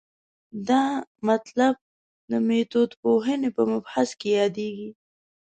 دا مطلب د میتودپوهنې په مبحث کې یادېږي.